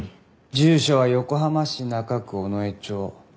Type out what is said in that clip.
住所は横浜市中区尾上町。